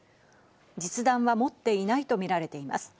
実弾は持っていないと見られています。